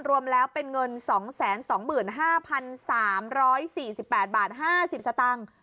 รวมแล้วเป็นเงิน๒๒๕๓๔๘บาท๕๐สตางค์